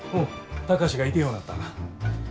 貴司がいてへんようなった。